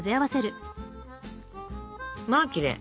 まあきれい。